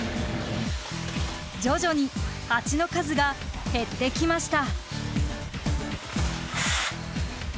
徐々にハチの数が減ってきました。